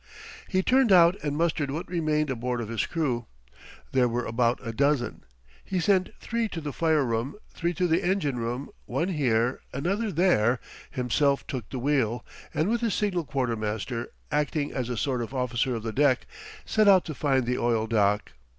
He turned out and mustered what remained aboard of his crew. There were about a dozen. He sent three to the fire room, three to the engine room, one here, another there, himself took the wheel, and with his signal quartermaster acting as a sort of officer of the deck, set out to find the oil dock.